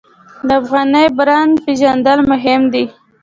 د افغاني برنډ پیژندل مهم دي